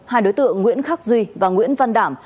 hai đối tượng nguyễn khắc duy và nguyễn văn đảm